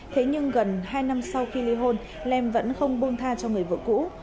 thế nhưng gần hai năm sau khi li hôn lem vẫn không buông tha cho người vợ cũ